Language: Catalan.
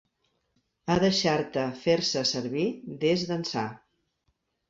Ha deixar te fer-se servir des d'ençà.